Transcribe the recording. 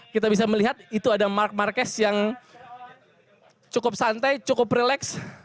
kita bisa melihat itu ada mark marquez yang cukup santai cukup relax